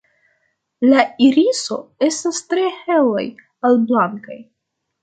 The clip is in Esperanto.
La iriso estas tre helaj al blankaj.